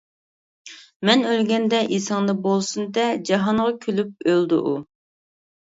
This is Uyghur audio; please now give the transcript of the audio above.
مەن ئۆلگەندە، ئېسىڭدە بولسۇن، دە جاھانغا كۈلۈپ ئۆلدى ئۇ.